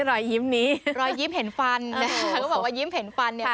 รอยยิ้มนี้รอยยิ้มเห็นฟันแล้วก็บอกว่ายิ้มเห็นฟันเนี่ย